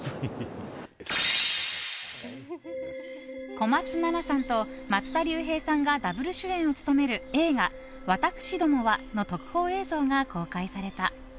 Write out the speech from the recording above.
小松菜奈さんと松田龍平さんがダブル主演を務める映画「わたくしどもは。」の特報映像が公開された。